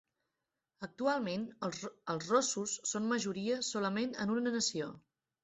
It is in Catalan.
Actualment els rossos són majoria solament en una nació: